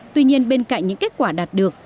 tuy nhiên bên cạnh những kết quả đạt được